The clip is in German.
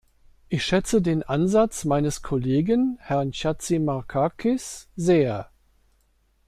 Ich schätze den Ansatz meines Kollegen, Herrn Chatzimarkakis, sehr.